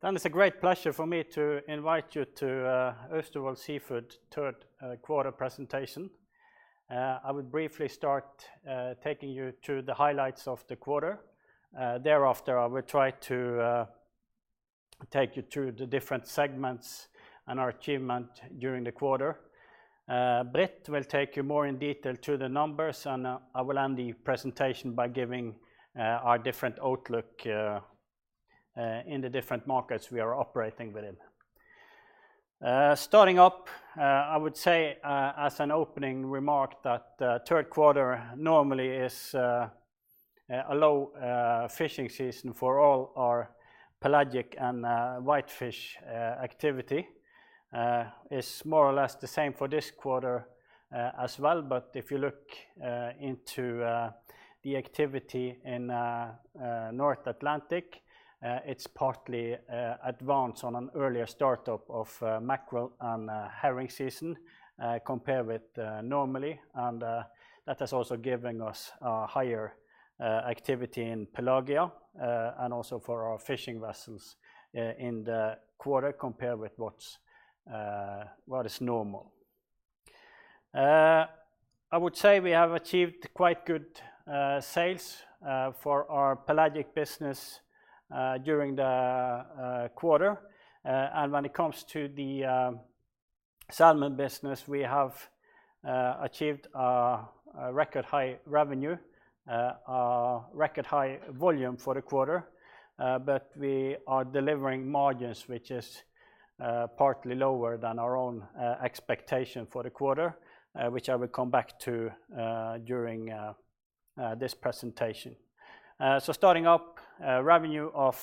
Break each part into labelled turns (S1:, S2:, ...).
S1: It's a great pleasure for me to invite you to Austevoll Seafood third quarter presentation. I will briefly start taking you through the highlights of the quarter. Thereafter, I will try to take you through the different segments and our achievement during the quarter. Britt will take you more in detail through the numbers, and I will end the presentation by giving our different outlook in the different markets we are operating within. Starting up, I would say, as an opening remark that the third quarter normally is a low fishing season for all our pelagic and white fish activity. It's more or less the same for this quarter as well, but if you look into the activity in North Atlantic, it's partly advanced on an earlier startup of mackerel and herring season compared with normally. That has also given us higher activity in Pelagia and also for our fishing vessels in the quarter compared with what is normal. I would say we have achieved quite good sales for our pelagic business during the quarter. When it comes to the salmon business, we have achieved a record high revenue, a record high volume for the quarter. We are delivering margins which is partly lower than our own expectation for the quarter, which I will come back to during this presentation. Starting up, a revenue of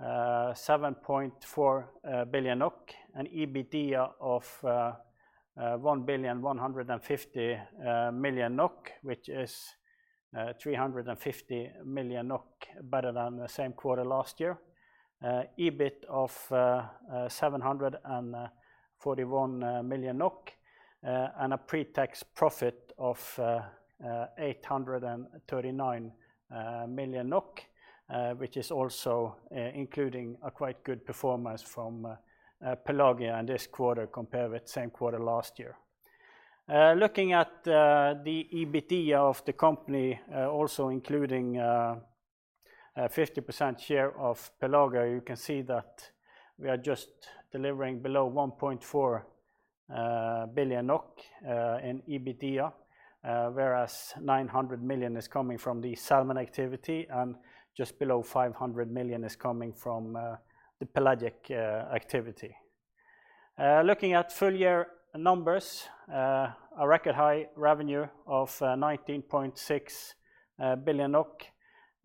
S1: 7.4 billion NOK, an EBITDA of 1.15 billion, which is 350 million NOK better than the same quarter last year. EBIT of 741 million NOK, and a pre-tax profit of 839 million NOK, which is also including a quite good performance from Pelagia in this quarter compared with same quarter last year. Looking at the EBITDA of the company, also including 50% share of Pelagia, you can see that we are just delivering below 1.4 billion NOK in EBITDA, whereas 900 million is coming from the salmon activity and just below 500 million is coming from the pelagic activity. Looking at full year numbers, a record high revenue of 19.6 billion NOK,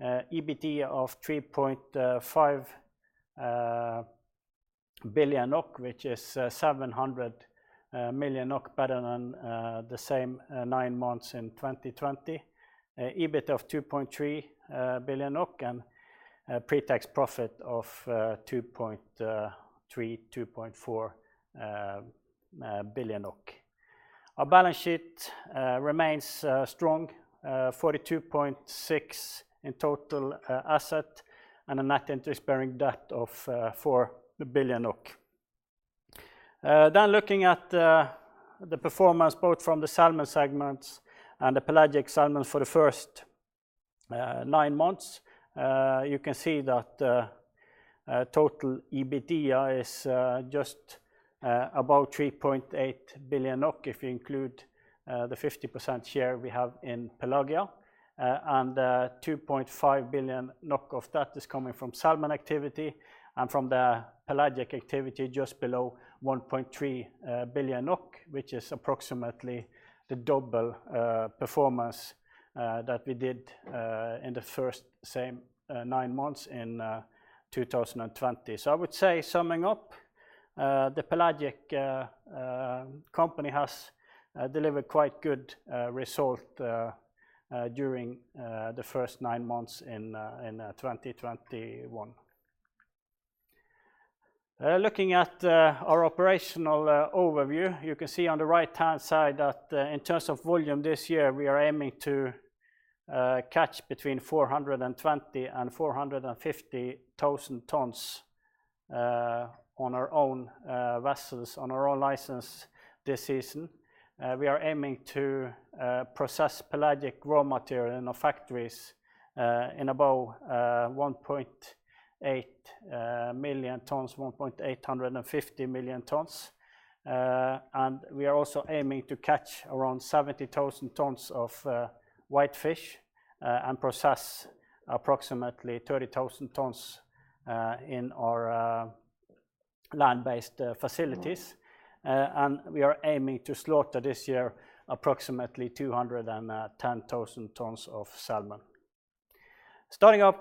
S1: EBIT of 3.5 billion NOK, which is 700 million NOK better than the same nine months in 2020. EBIT of 2.3 billion NOK and a pre-tax profit of 2.4 billion. Our balance sheet remains strong, 42.6 in total assets and a net interest-bearing debt of 4 billion. Looking at the performance both from the salmon segments and the pelagic salmon for the first nine months, you can see that total EBITDA is just about 3.8 billion NOK if you include the 50% share we have in Pelagia. 2.5 billion NOK of that is coming from salmon activity and from the pelagic activity just below 1.3 billion NOK, which is approximately the double performance that we did in the first same nine months in 2020. I would say summing up, the pelagic company has delivered quite good result during the first nine months in 2021. Looking at our operational overview, you can see on the right-hand side that in terms of volume this year, we are aiming to catch between 420,000 tons-450,000 tons on our own vessels, on our own license this season. We are aiming to process pelagic raw material in our factories in about 1.85 million tons. We are also aiming to catch around 70,000 tons of whitefish and process approximately 30,000 tons in our land-based facilities. We are aiming to slaughter this year approximately 210,000 tons of salmon.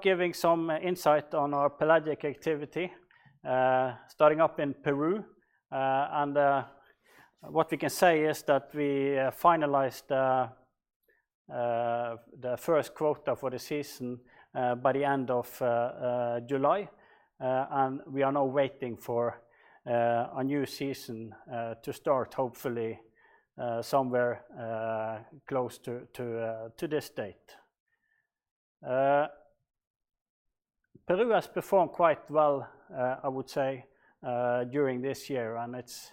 S1: Giving some insight on our pelagic activity starting up in Peru, what we can say is that we finalized the first quota for the season by the end of July. We are now waiting for a new season to start hopefully somewhere close to this date. Peru has performed quite well, I would say, during this year, and it's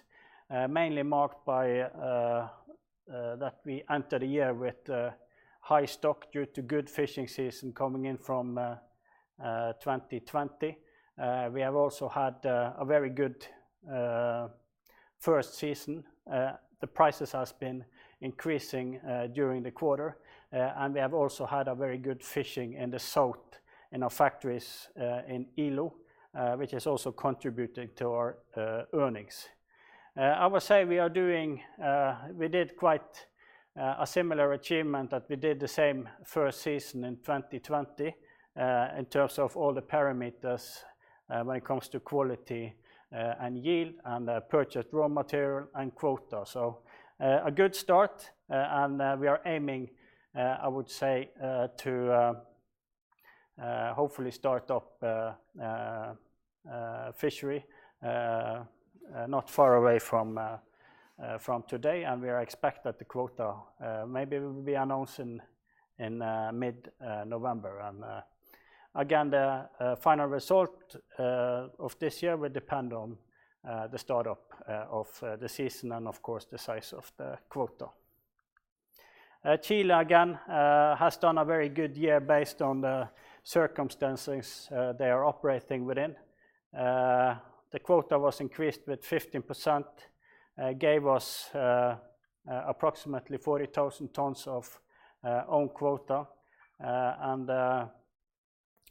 S1: mainly marked by that we entered the year with high stock due to good fishing season coming in from 2020. We have also had a very good first season. The prices has been increasing during the quarter, and we have also had a very good fishing in the south in our factories in Ilo, which has also contributed to our earnings. I would say we did quite a similar achievement that we did the same first season in 2020 in terms of all the parameters when it comes to quality and yield and purchased raw material and quota. A good start, and we are aiming, I would say, to hopefully start up fishery not far away from today, and we are expect that the quota maybe will be announced in mid November. Again, the final result of this year will depend on the start up of the season and of course the size of the quota. Chile again has done a very good year based on the circumstances they are operating within. The quota was increased with 15%, gave us approximately 40,000 tons of own quota.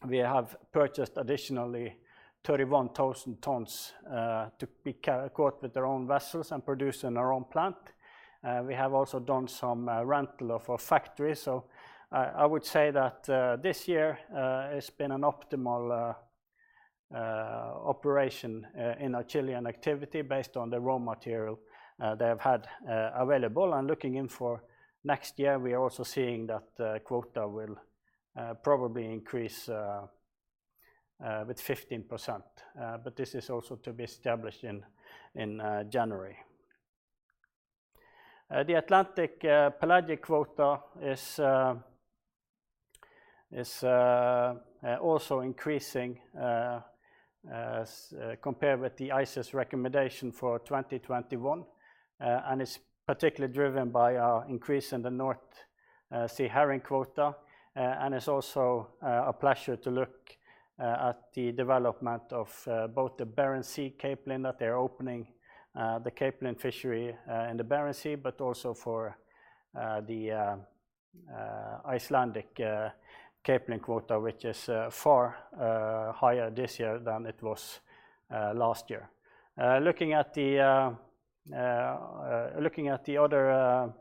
S1: We have purchased additionally 31,000 tons to be caught with their own vessels and produced in our own plant. We have also done some rental of a factory. I would say that this year has been an optimal operation in our Chilean activity based on the raw material they have had available. Looking in for next year, we are also seeing that the quota will probably increase with 15%. This is also to be established in January. The Atlantic pelagic quota is also increasing compared with the ICES recommendation for 2021. It's particularly driven by our increase in the North Sea herring quota. It's also a pleasure to look at the development of both the Barents Sea capelin that they're opening the capelin fishery in the Barents Sea, but also for the Icelandic capelin quota, which is far higher this year than it was last year. Looking at the other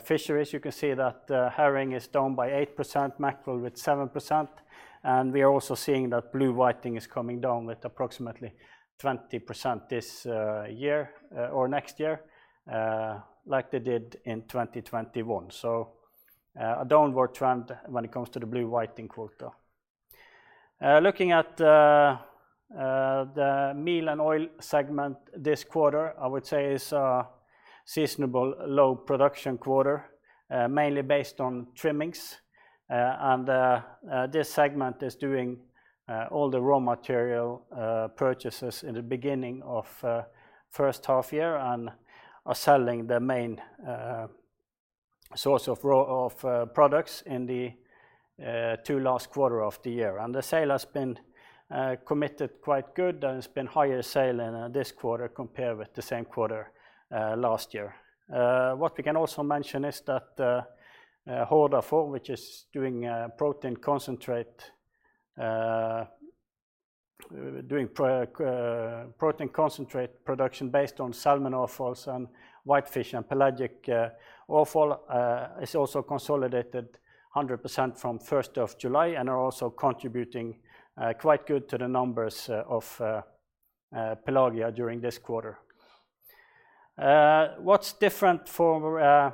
S1: fisheries, you can see that herring is down by 8%, mackerel with 7%, and we are also seeing that blue whiting is coming down with approximately 20% this year or next year, like they did in 2021. A downward trend when it comes to the blue whiting quota. Looking at the meal and oil segment this quarter, I would say is a seasonal low production quarter, mainly based on trimmings. This segment is doing all the raw material purchases in the beginning of first half year and are selling the main source of raw products in the two last quarters of the year. The sale has been committed quite good, and it's been higher sale in this quarter compared with the same quarter last year. What we can also mention is that Hordafor, which is doing protein concentrate production based on salmon offal and whitefish and pelagic offal, is also consolidated 100% from first of July and are also contributing quite good to the numbers of Pelagia during this quarter. What's different for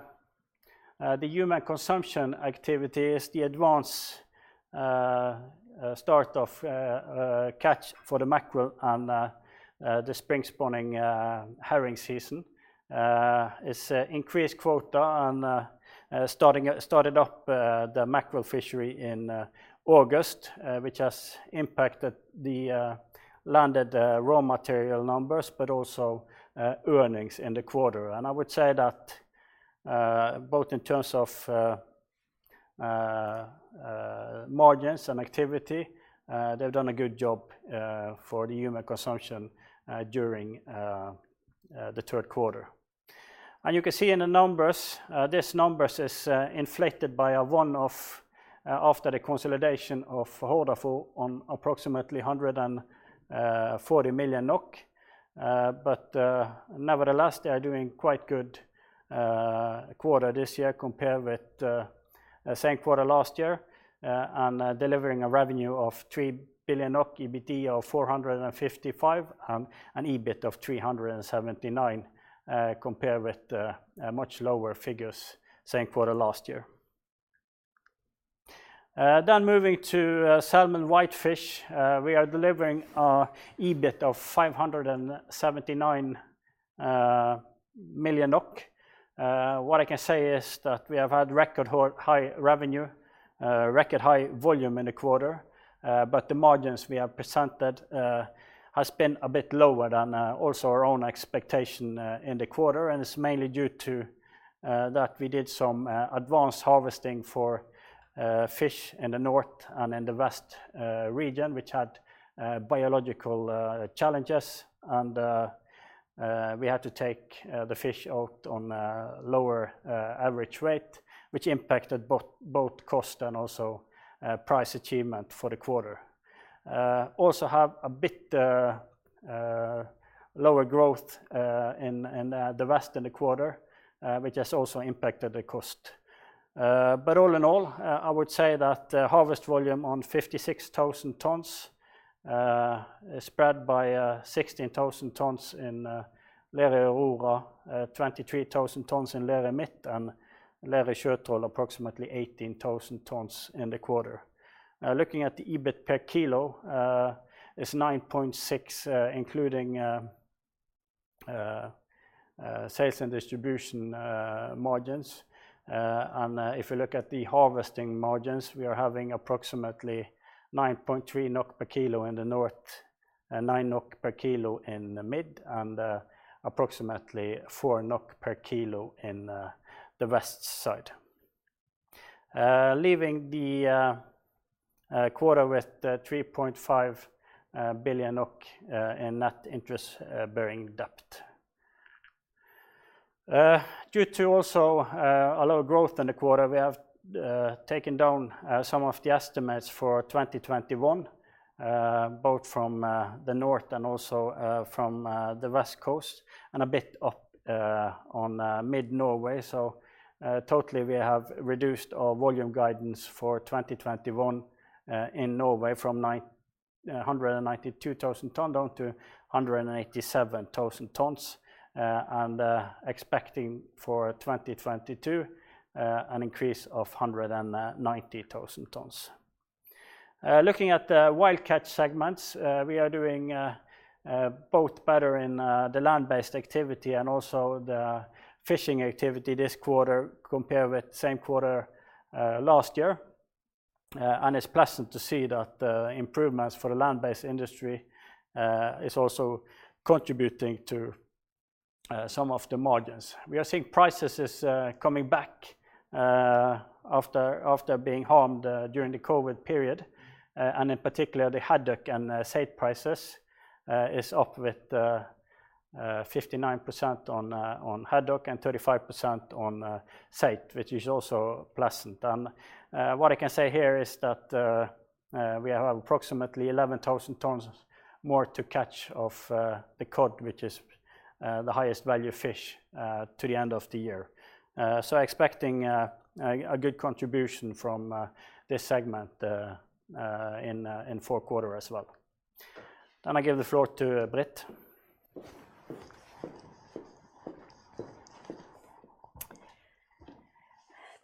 S1: the human consumption activity is the advance start of catch for the mackerel and the spring spawning herring season. It's increased quota and started up the mackerel fishery in August, which has impacted the landed raw material numbers but also earnings in the quarter. I would say that both in terms of margins and activity, they've done a good job for the human consumption during the third quarter. You can see in the numbers, this numbers is inflated by a one-off after the consolidation of Hordafor on approximately 140 million NOK. Nevertheless, they are doing quite a good quarter this year compared with same quarter last year, and delivering a revenue of 3 billion, EBIT of NOK 455 million, and an EBITDA of 379 million, compared with much lower figures same quarter last year. Moving to salmon and whitefish, we are delivering an EBIT of 579 million NOK. What I can say is that we have had record high revenue, record high volume in the quarter, but the margins we have presented has been a bit lower than also our own expectation in the quarter, and it's mainly due to that we did some advanced harvesting for fish in the north and in the west region, which had biological challenges. We had to take the fish out on a lower average rate, which impacted both cost and also price achievement for the quarter. We also had a bit lower growth in the west in the quarter, which has also impacted the cost. All in all, I would say that the harvest volume on 56,000 tons, spread by 16,000 tons in Lerøy Aurora, 23,000 tons in Lerøy Midt, and Lerøy Sjøtroll, approximately 18,000 tons in the quarter. Looking at the EBIT per kilo is 9.6, including sales and distribution margins. If you look at the harvesting margins, we are having approximately 9.3 NOK per kilo in the north, and 9 NOK per kilo in the mid, and approximately 4 NOK per kilo in the west side. Leaving the quarter with 3.5 billion NOK in net interest-bearing debt. Due to also a lower growth in the quarter, we have taken down some of the estimates for 2021, both from the north and also from the west coast and a bit up on mid Norway. Totally we have reduced our volume guidance for 2021 in Norway from 192,000 tons down to 187,000 tons, and expecting for 2022 an increase of 190,000 tons. Looking at the wild catch segments, we are doing both better in the land-based activity and also the fishing activity this quarter compared with same quarter last year. It's pleasant to see that the improvements for the land-based industry is also contributing to some of the margins. We are seeing prices is coming back after being harmed during the COVID period. In particular, the haddock and saithe prices is up with 59% on haddock and 35% on saithe, which is also pleasant. What I can say here is that we have approximately 11,000 tons more to catch of the cod, which is the highest value fish to the end of the year. Expecting a good contribution from this segment in fourth quarter as well. I give the floor to Britt.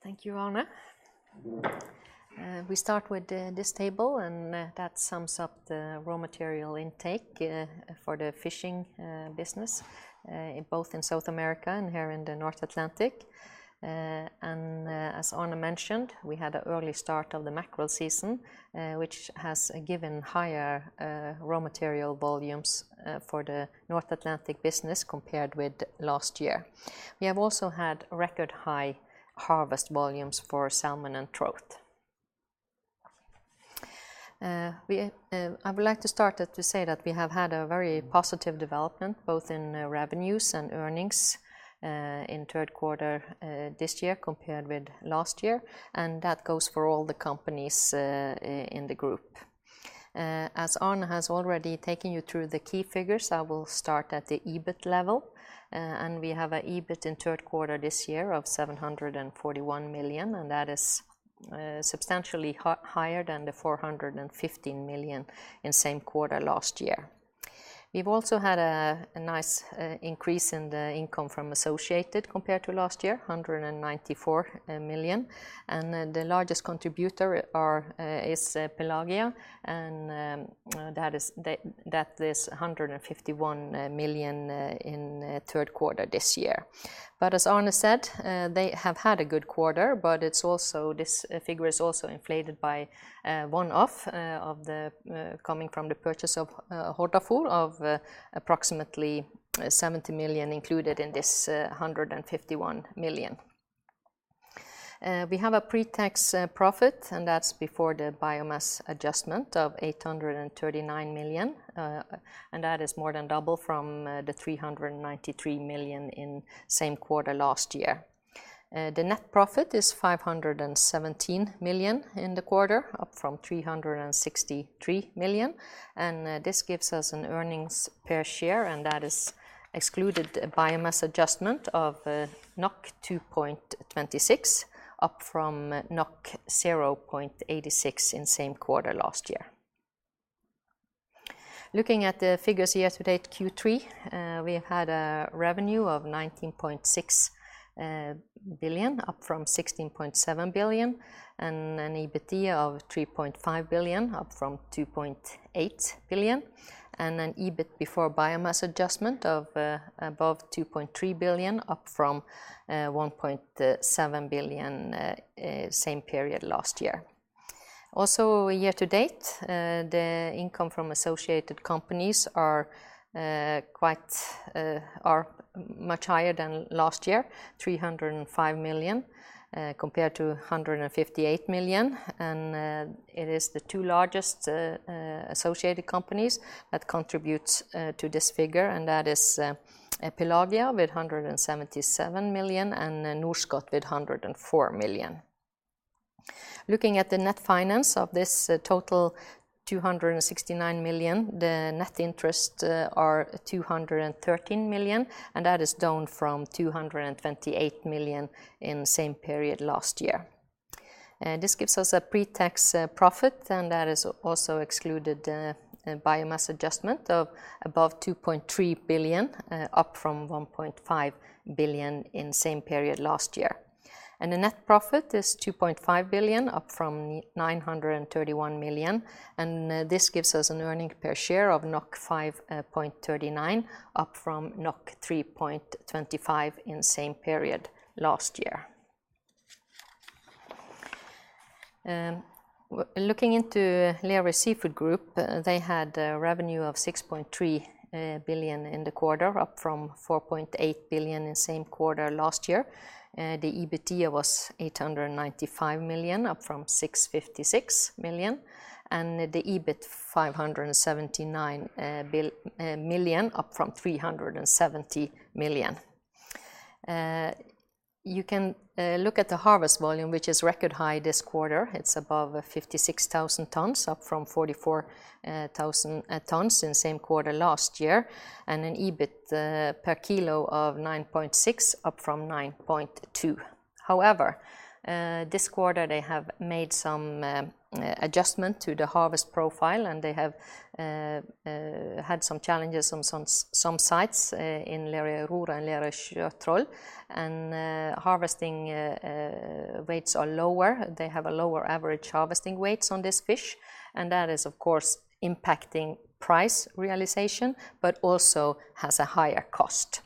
S2: Thank you, Arne. We start with this table, and that sums up the raw material intake for the fishing business both in South America and here in the North Atlantic. As Arne mentioned, we had an early start of the mackerel season, which has given higher raw material volumes for the North Atlantic business compared with last year. We have also had record high harvest volumes for salmon and trout. I would like to start to say that we have had a very positive development both in revenues and earnings in third quarter this year compared with last year, and that goes for all the companies in the group. As Arne has already taken you through the key figures, I will start at the EBIT level. We have an EBIT in the third quarter this year of 741 million, and that is substantially higher than the 450 million in the same quarter last year. We have also had a nice increase in the income from associates compared to last year, 194 million. The largest contributor is Pelagia, and that is 151 million in the third quarter this year. As Arne said, they have had a good quarter, but this figure is also inflated by a one-off coming from the purchase of Hordafor of approximately 70 million included in this 151 million. We have a pre-tax profit, and that's before the biomass adjustment of 839 million, and that is more than double from the 393 million in same quarter last year. The net profit is 517 million in the quarter, up from 363 million. This gives us an earnings per share, and that is excluded biomass adjustment of 2.26, up from 0.86 in same quarter last year. Looking at the figures year to date Q3, we had a revenue of 19.6 billion, up from 16.7 billion, and an EBITDA of 3.5 billion, up from 2.8 billion, and an EBIT before biomass adjustment of above 2.3 billion, up from 1.7 billion same period last year. Also year to date, the income from associated companies are much higher than last year, 305 million compared to 158 million. It is the two largest associated companies that contributes to this figure, and that is Pelagia with 177 million and Norskott with 104 million. Looking at the net finance of this total 269 million, the net interest are 213 million, and that is down from 228 million in same period last year. This gives us a pre-tax profit, and that is also excluded biomass adjustment of above 2.3 billion, up from 1.5 billion in same period last year. The net profit is 2.5 billion, up from 931 million, and this gives us an earnings per share of 5.39, up from 3.25 in same period last year. Looking into Lerøy Seafood Group, they had a revenue of 6.3 billion in the quarter, up from 4.8 billion in same quarter last year. The EBITDA was 895 million, up from 656 million, and the EBIT 579 million, up from 370 million. You can look at the harvest volume, which is record high this quarter. It's above 56,000 tons, up from 44,000 tons in same quarter last year, and an EBIT per kilo of 9.6, up from 9.2. However, this quarter they have made some adjustment to the harvest profile, and they have had some challenges on some sites in Lerøy Aurora and Lerøy Sjøtroll. Harvesting rates are lower. They have a lower average harvesting weights on this fish, and that is of course impacting price realization, but also has a higher cost.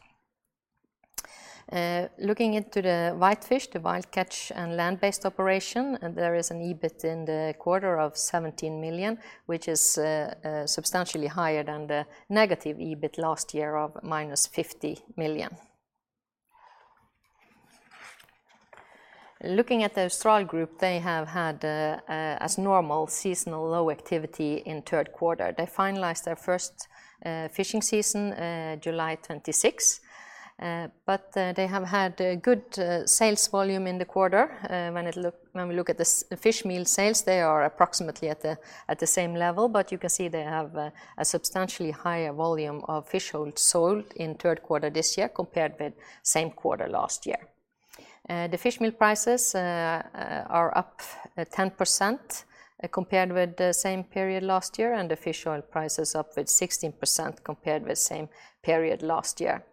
S2: Looking into the whitefish, the wild catch, and land-based operation, there is an EBIT in the quarter of 17 million, which is substantially higher than the negative EBIT last year of -50 million. Looking at the Austral Group, they have had as normal seasonal low activity in third quarter. They finalized their first fishing season July 26, but they have had good sales volume in the quarter. When we look at the fish meal sales, they are approximately at the same level, but you can see they have a substantially higher volume of fish oil sold in third quarter this year compared with same quarter last year. The fish meal prices are up 10% compared with the same period last year, and the fish oil price is up with 16% compared with same period last year.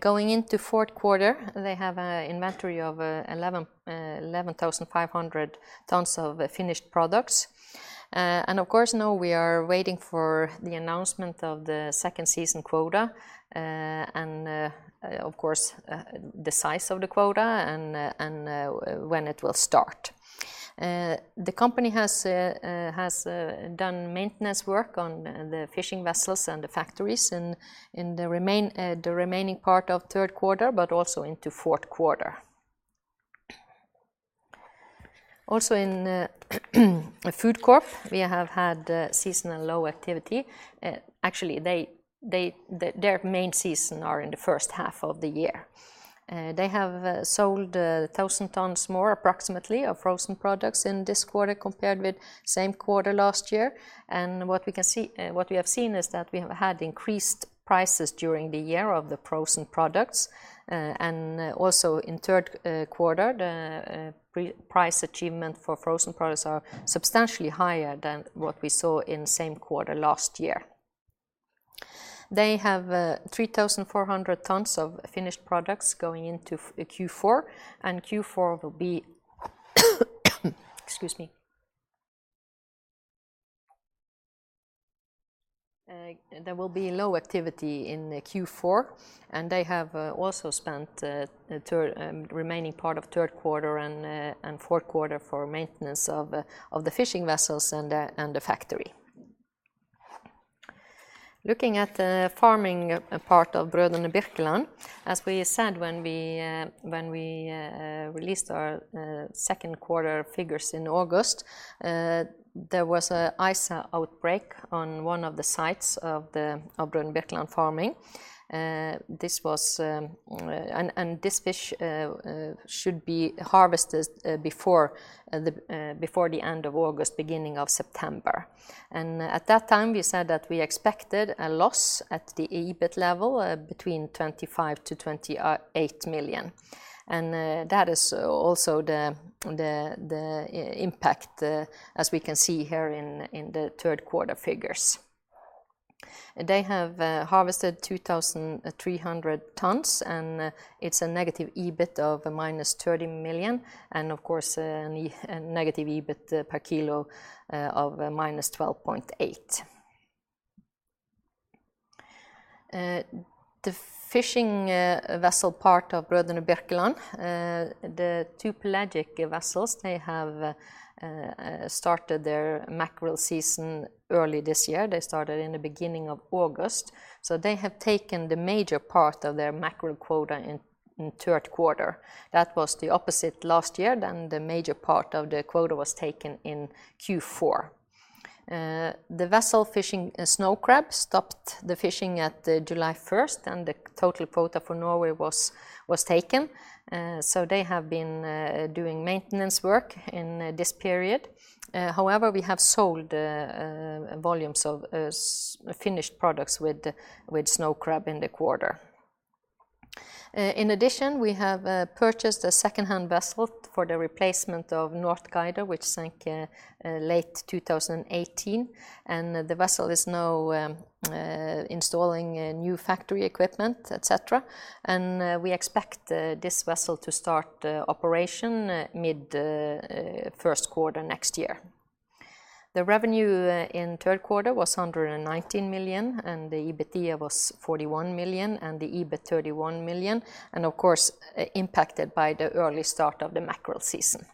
S2: Going into fourth quarter, they have an inventory of 11,500 tons of finished products. Of course, now we are waiting for the announcement of the second season quota, and of course the size of the quota and when it will start. The company has done maintenance work on the fishing vessels and the factories in the remaining part of third quarter, but also into fourth quarter. Also in Foodcorp, we have had seasonal low activity. Actually, their main season are in the first half of the year. They have sold 1,000 tons more approximately of frozen products in this quarter compared with same quarter last year. What we have seen is that we have had increased prices during the year of the frozen products. Also in third quarter, the price achievement for frozen products are substantially higher than what we saw in same quarter last year. They have 3,400 tons of finished products going into Q4, and Q4 will be, excuse me. There will be low activity in Q4, and they have also spent the remaining part of third quarter and fourth quarter for maintenance of the fishing vessels and the factory. Looking at the farming part of Brødrene Birkeland, as we said when we released our second quarter figures in August, there was a ISA outbreak on one of the sites of the Brødrene Birkeland farming. This fish should be harvested before the end of August, beginning of September. At that time, we said that we expected a loss at the EBIT level between 25 million-28 million. That is also the impact as we can see here in the third quarter figures. They have harvested 2,300 tons and it's a negative EBIT of -30 million and of course a negative EBIT per kilo of -12.8. The fishing vessel part of Brødrene Birkeland, the two pelagic vessels, they have started their mackerel season early this year. They started in the beginning of August. They have taken the major part of their mackerel quota in third quarter. That was the opposite last year than the major part of the quota was taken in Q4. The vessel fishing snow crab stopped the fishing at July 1st and the total quota for Norway was taken. They have been doing maintenance work in this period. However, we have sold volumes of finished products with snow crab in the quarter. In addition, we have purchased a second-hand vessel for the replacement of Northguider, which sank in late 2018. The vessel is now installing new factory equipment, etc. We expect this vessel to start operation mid-first quarter next year. The revenue in third quarter was 119 million and the EBITDA was 41 million and the EBIT 31 million, of course impacted by the early start of the mackerel season.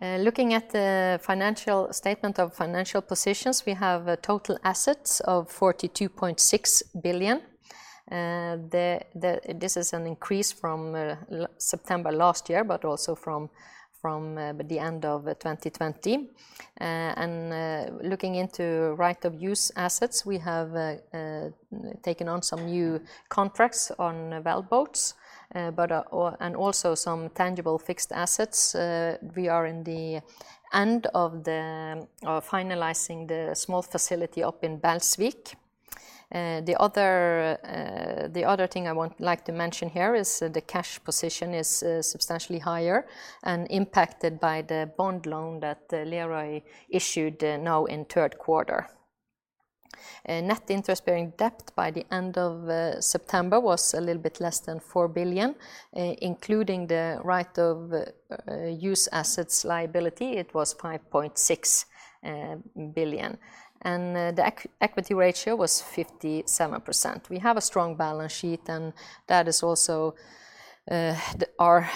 S2: Looking at the statement of financial position, we have total assets of 42.6 billion. This is an increase from September last year, but also from the end of 2020. Looking into right-of-use assets, we have taken on some new contracts on wellboats and also some tangible fixed assets. We are in the end of finalizing the small facility up in Balsfjord. The other thing I would like to mention here is the cash position is substantially higher and impacted by the bond loan that Lerøy issued now in third quarter. Net interest-bearing debt by the end of September was a little bit less than 4 billion. Including the right-of-use assets liability, it was 5.6 billion. The equity ratio was 57%. We have a strong balance sheet and that is also our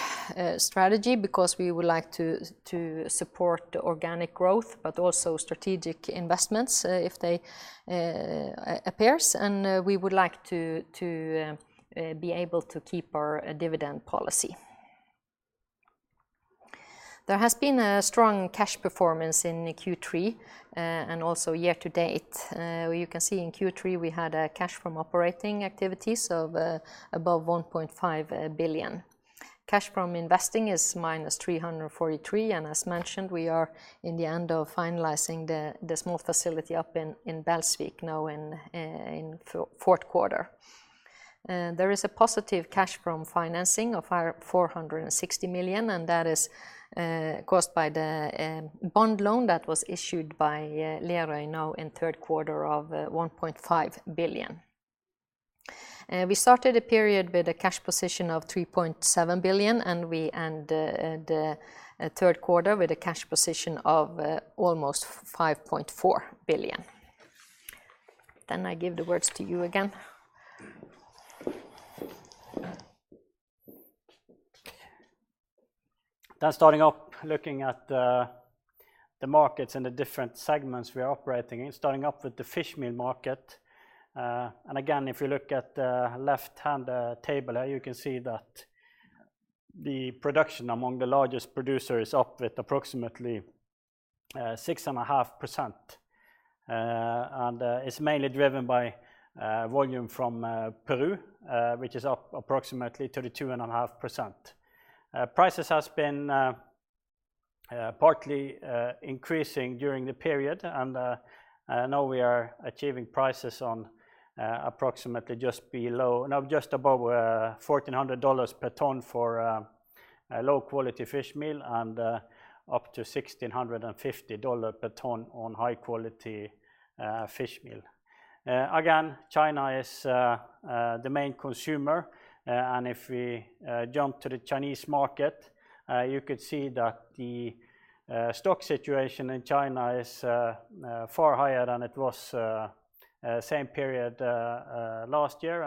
S2: strategy because we would like to support organic growth, but also strategic investments if they appear. We would like to be able to keep our dividend policy. There has been a strong cash performance in Q3 and also year to date. You can see in Q3 we had a cash from operating activities of above 1.5 billion. Cash from investing is -343 million. As mentioned, we are in the end of finalizing the small facility up in Balsfjord now in fourth quarter. There is a positive cash from financing of 460 million and that is caused by the bond loan that was issued by Lerøy now in third quarter of 1.5 billion. We started a period with a cash position of 3.7 billion and we end the third quarter with a cash position of almost 5.4 billion. I give the words to you again.
S1: Starting up looking at the markets and the different segments we are operating in. Starting up with the fishmeal market. Again, if you look at the left-hand table here, you can see that the production among the largest producers is up with approximately 6.5%. It's mainly driven by volume from Peru, which is up approximately 32.5%. Prices have been partly increasing during the period. Now we are achieving prices on approximately just above $1,400 per ton for low-quality fishmeal and up to $1,650 per ton on high-quality fishmeal. Again, China is the main consumer. If we jump to the Chinese market, you could see that the stock situation in China is far higher than it was same period last year.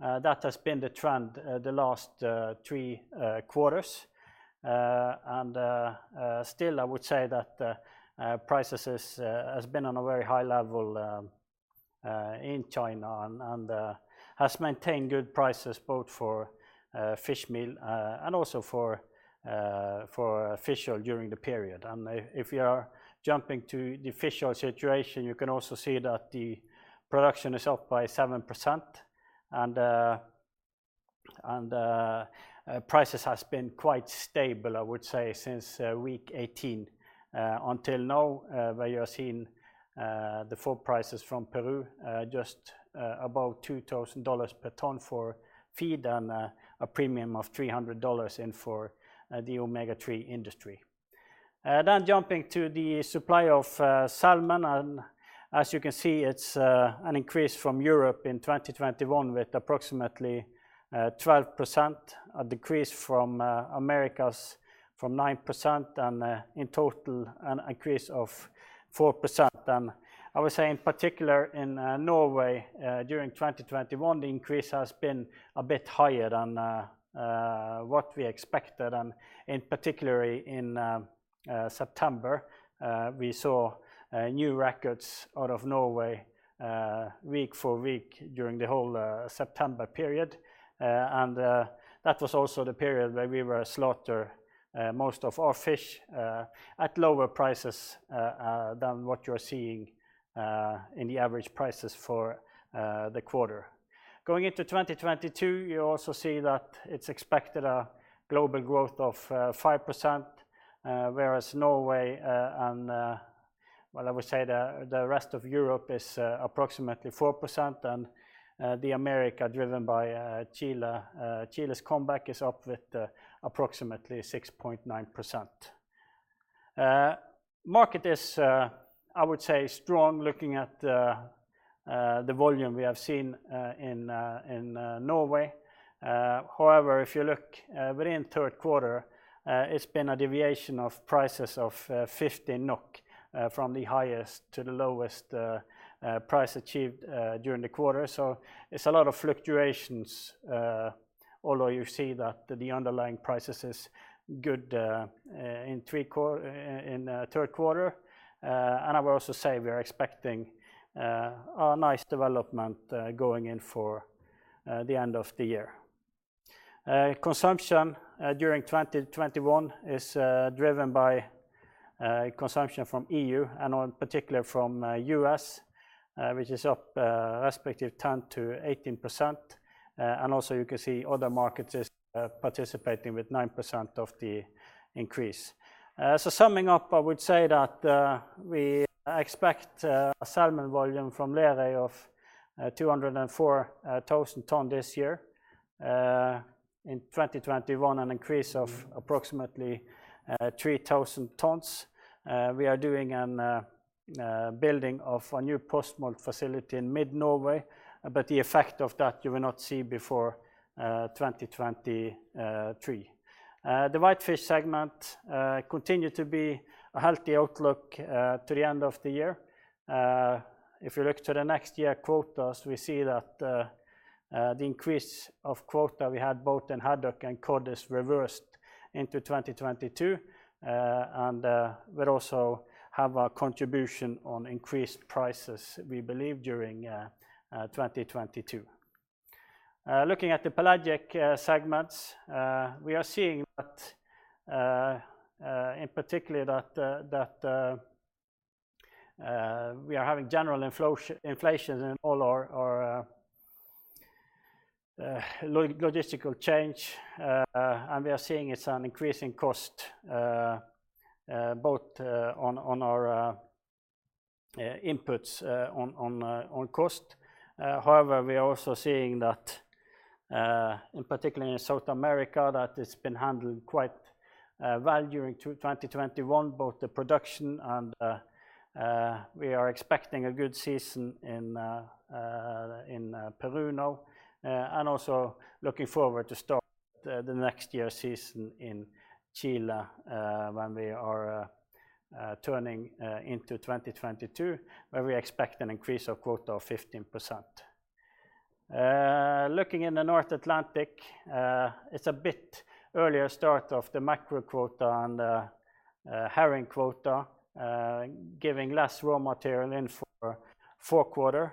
S1: That has been the trend the last three quarters. Still, I would say that prices has been on a very high level in China and has maintained good prices both for fishmeal and also for fish oil during the period. If you are jumping to the fish oil situation, you can also see that the production is up by 7%. Prices has been quite stable, I would say, since week 18 until now, where you are seeing the full prices from Peru, just above $2,000 per ton for feed and a premium of $300 in for the omega-3 industry. Jumping to the supply of salmon and as you can see it's an increase from Europe in 2021 with approximately 12%. A decrease from Americas from 9% and in total an increase of 4%. I would say in particular in Norway during 2021 the increase has been a bit higher than what we expected. In particular in September we saw new records out of Norway week for week during the whole September period. That was also the period where we were slaughtering most of our fish at lower prices than what you're seeing in the average prices for the quarter. Going into 2022 you also see that it's expected a global growth of 5%, whereas Norway and the rest of Europe is approximately 4% and the Americas driven by Chile's comeback is up with approximately 6.9%. Market is, I would say strong looking at, the volume we have seen, in Norway. However if you look, within third quarter, it's been a deviation of prices of 15 NOK, from the highest to the lowest, price achieved, during the quarter. It's a lot of fluctuations, although you see that the underlying prices is good, in third quarter. I would also say we are expecting, a nice development, going in for, the end of the year. Consumption, during 2021 is, driven by, consumption from E.U. and in particular from, U.S., which is up, respective 10%-18%. You can see other markets is participating with 9% of the increase. So summing up, I would say that we expect a salmon volume from Lerøy of 204,000 tons this year in 2021, an increase of approximately 3,000 tons. We are doing a building of a new post-smolt facility in Mid Norway, but the effect of that you will not see before 2023. The white fish segment continue to be a healthy outlook to the end of the year. If you look to the next year quotas, we see that the increase of quota we had both in haddock and cod is reversed into 2022. We'll also have a contribution on increased prices we believe during 2022. Looking at the pelagic segments, we are seeing that in particular that we are having general inflation in all our logistical chain. We are seeing it's an increasing cost both on our inputs on costs. However we are also seeing that particularly in South America that it's been handled quite well during 2021, both the production and we are expecting a good season in Peru now. Also looking forward to start the next year season in Chile, when we are turning into 2022, where we expect an increase of quota of 15%. Looking in the North Atlantic, it's a bit earlier start of the mackerel quota and herring quota, giving less raw material in for fourth quarter.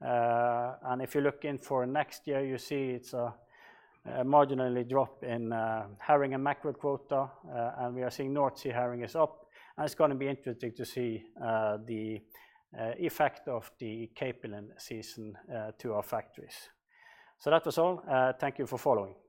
S1: If you look in for next year, you see it's a marginal drop in herring and mackerel quota, and we are seeing North Sea herring is up. It's gonna be interesting to see the effect of the capelin season to our factories. That was all. Thank you for following.